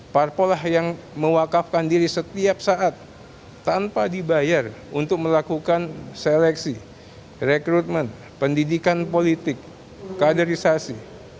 parpol lah yang mewakafkan diri setiap saat tanpa dibayar untuk melakukan seleksi rekrutmen pendidikan politik kaderisasi